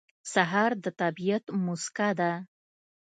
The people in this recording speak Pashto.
سهار د طبیعت موسکا ده.